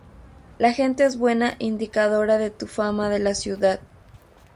La gente es buena indicadora de tu fama de la ciudad.